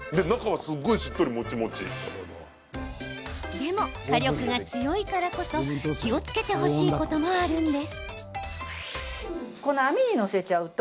でも、火力が強いからこそ気をつけてほしいこともあるんです。